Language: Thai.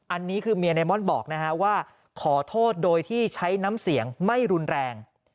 อันนี้คือเมียในม่อนบอกนะฮะว่าขอโทษโดยที่ใช้น้ำเสียงไม่รุนแรง